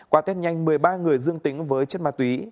qua test nhanh một mươi ba người dương tính với chất ma túy